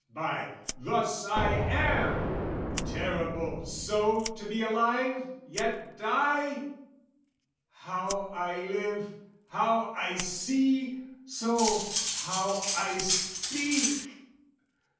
by "Thus I am!" Terrible so to be alive yet die? How I live, how I see! so, how I speak!